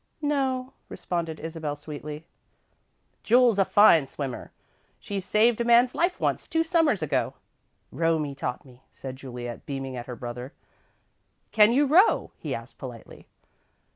"No," responded Isabel, sweetly. "Jule's a fine swimmer. She saved a man's life once, two Summers ago." "Romie taught me," said Juliet, beaming at her brother. "Can you row?" he asked, politely.